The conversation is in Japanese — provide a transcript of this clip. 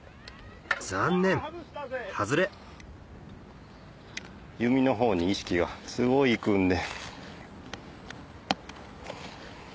残念ハズレ弓の方に意識がすごいいくんで。